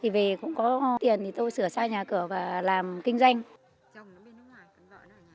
về cũng có tiền thì tôi sửa sang nhà cửa và làm kinh doanh